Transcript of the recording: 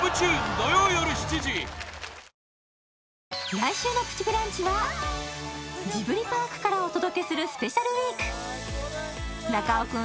来週の「プチブランチ」はジブリパークからお届けするスペシャルウィーク中尾くん